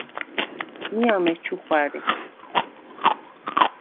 მი ამეჩუ ხვა̈რი.